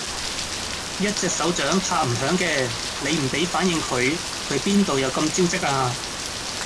一隻手掌拍唔響嘅，你唔俾反應佢，佢邊度有咁招積呀？